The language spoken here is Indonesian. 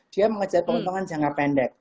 dia mau mengejar penguntungan jangka pendek